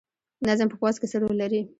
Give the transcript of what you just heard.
نظم په پوځ کې څه رول لري؟